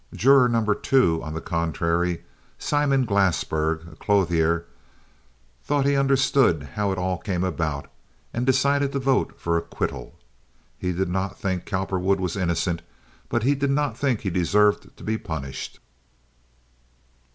Juror No. 2, on the contrary, Simon Glassberg, a clothier, thought he understood how it all came about, and decided to vote for acquittal. He did not think Cowperwood was innocent, but he did not think he deserved to be punished.